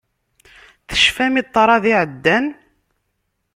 Tecfam i ṭṭrad iɛeddan.